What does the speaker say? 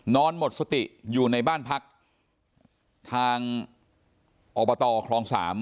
นอนหมดสติอยู่ในบ้านพักทางอบตคลองสาม